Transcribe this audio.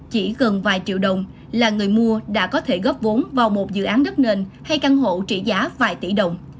chỉ gần vài triệu đồng là người mua đã có thể góp vốn vào một dự án đất nền hay căn hộ trị giá vài tỷ đồng